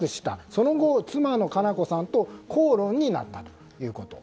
その後、妻の佳菜子さんと口論になったということ。